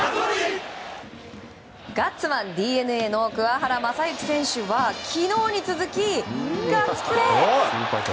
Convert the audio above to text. ガッツマンＤｅＮＡの桑原将志選手は昨日に続き、ガッツプレー！